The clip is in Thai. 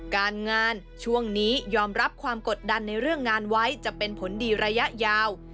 การงานช่วงนี้ยอมรับความกดดันในเรื่องงานไว้จะเป็นผลดีระยะยาว